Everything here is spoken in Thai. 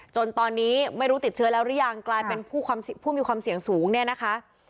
จนตอนนี้ไม่รู้ติดเชื้อแล้วหรือยังกลายเป็นผู้มีความเสี่ยงสูงเนี่ยนะคะ